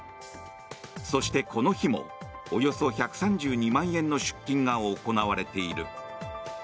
そしてこの日もおよそ１３２万円の出金が行われている。